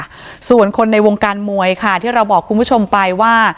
ค่ะส่วนคนในวงการมวยค่ะที่เราบอกคุณผู้ชมไปว่า